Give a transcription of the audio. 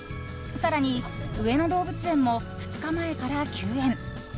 更に上野動物園も２日前から休園。